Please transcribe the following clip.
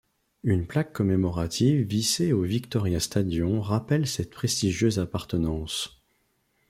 Une plaque commémorative vissée au Viktoria Stadion rappelle cette prestigieuse appartenance.